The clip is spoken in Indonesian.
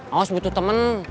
aos butuh temen